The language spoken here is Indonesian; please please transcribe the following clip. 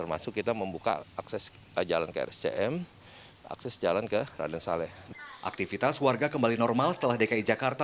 aktivitas warga kembali normal setelah dki jakarta